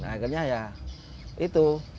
akhirnya ya itu